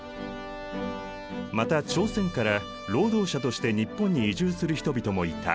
また朝鮮から労働者として日本に移住する人々もいた。